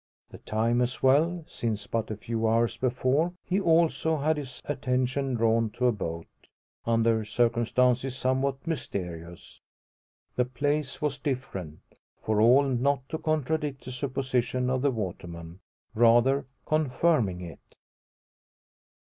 The time as well; since, but a few hours before, he also had his attention drawn to a boat, under circumstances somewhat mysterious. The place was different; for all not to contradict the supposition of the waterman rather confirming it.